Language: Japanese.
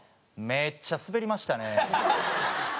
めっちゃスベりました。